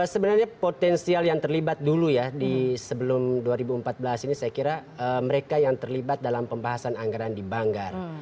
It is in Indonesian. sebenarnya potensial yang terlibat dulu ya di sebelum dua ribu empat belas ini saya kira mereka yang terlibat dalam pembahasan anggaran di banggar